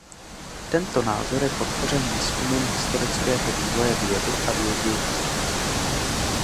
Tento názor je podpořen výzkumem historického vývoje vědy a vědění.